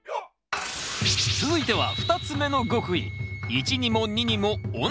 続いては２つ目の極意